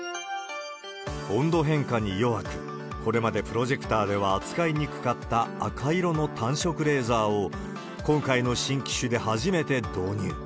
温度変化に弱く、これまでプロジェクターでは扱いにくかった赤色の単色レーザーを、今回の新機種で初めて導入。